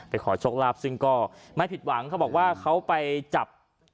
ขอโชคลาภซึ่งก็ไม่ผิดหวังเขาบอกว่าเขาไปจับ